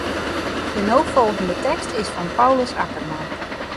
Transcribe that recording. De no folgjende tekst is fan Paulus Akkerman.